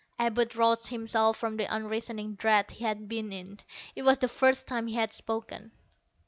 Abud roused himself from the unreasoning dread he had been in. It was the first time he had spoken.